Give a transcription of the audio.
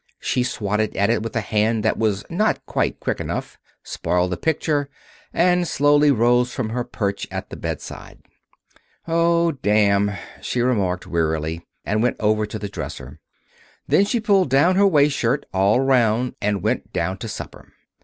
She swatted it with a hand that was not quite quick enough, spoiled the picture, and slowly rose from her perch at the bedside. "Oh, damn!" she remarked, wearily, and went over to the dresser. Then she pulled down her shirtwaist all around and went down to supper.